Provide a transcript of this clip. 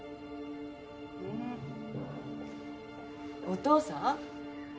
お父さん？